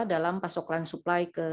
dalam pasokan supply ke